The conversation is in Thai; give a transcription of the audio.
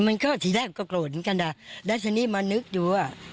มันก็ทีแรกก็โกรธเหมือนกันนะแล้วทีนี้มานึกดูว่า